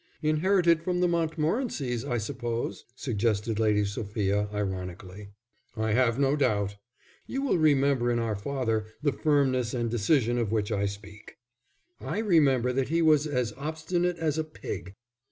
"Inherited from the Montmorencys, I suppose," suggested Lady Sophia, ironically. "I have no doubt. You will remember in our father the firmness and decision of which I speak." "I remember that he was as obstinate as a pig."